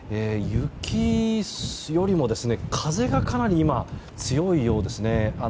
雪よりも風がかなり強いようですね。